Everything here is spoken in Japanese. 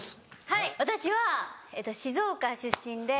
はい私は静岡出身で。